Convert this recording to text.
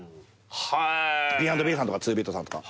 Ｂ＆Ｂさんとかツービートさんとか。